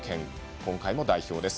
今回も代表です。